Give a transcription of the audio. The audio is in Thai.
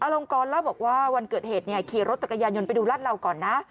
อลงกรแล้วบอกว่าวันเกิดเหตุเครย์รถตะกะยายนยนต์ไปดูรัดเราก่อนนะ